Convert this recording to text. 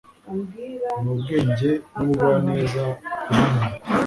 Nubwenge nubugwaneza kuba impumyi